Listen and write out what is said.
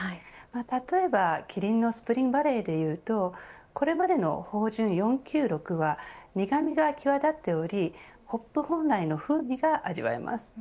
例えば、キリンのスプリングバレーでいうとこれまでの豊潤４９６は苦味が際立っておりホップ本来の風味が味わえます。